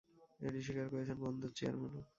এটি স্বীকার করেছেন বন্দর চেয়ারম্যানও।